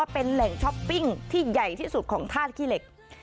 เป็นแหล่งช้อปปิ้งที่ใหญ่ที่สุดของธาตุขี้เหล็ก